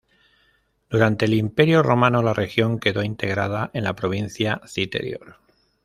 Durante el Imperio romano, la región quedó integrada en la provincia Citerior.